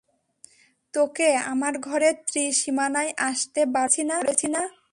তোকে আমার ঘরের ত্রি-সীমানায় আসতে বারণ করেছি না?